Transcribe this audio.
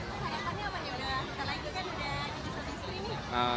kita lagi kan udah